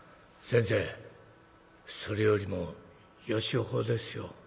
「先生それよりもよしほうですよ」。